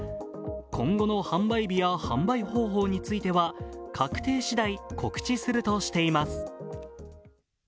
今後の販売日や販売方法については確定し次第、告知するとしています。